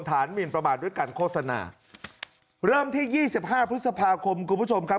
ฐานมิลประมาณด้วยการโฆษณาเริ่มที่๒๕พฤษภาคมคุณผู้ชมครับ